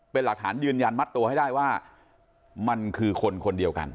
เป็นหลักฐานยืนยันมัดตัวให้ได้ว่ามันคือคนคนเดียวกัน